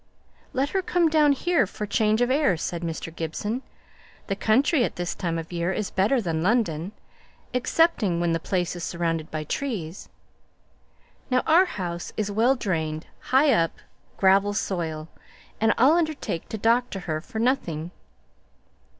"Let her come down here for change of air," said Mr. Gibson. "The country at this time of the year is better than London, except when the place is surrounded by trees. Now our house is well drained, high up, gravel soil, and I'll undertake to doctor her for nothing."